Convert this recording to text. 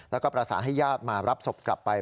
แล้วก็ประสานให้ญาติมารับศพกลับไป